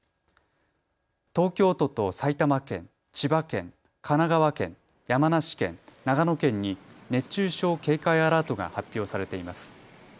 東京都と埼玉県、千葉県、神奈川県、山梨県、長野県に熱中症警戒アラートが発表されています。